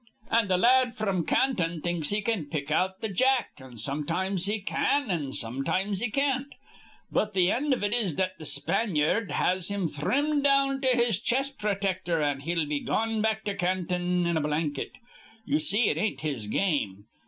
An' th' la ad fr'm Canton thinks he can pick out th' Jack, an' sometimes he can an' sometimes he can't; but th' end iv it is th' Spanyard has him thrimmed down to his chest protector, an' he'll be goin' back to Canton in a blanket. Ye see it ain't his game.